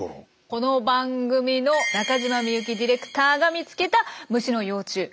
この番組の中島未由希ディレクターが見つけた虫の幼虫。